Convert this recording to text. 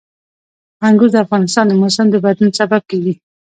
انګور د افغانستان د موسم د بدلون سبب کېږي.